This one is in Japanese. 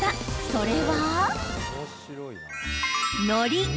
それは、のり。